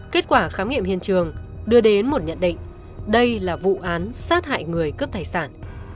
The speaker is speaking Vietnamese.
kết quả khám nghiệm hiện trường đưa đến một nhận định đây là vụ án sát hại người cướp tài sản